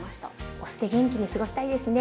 お酢で元気に過ごしたいですね。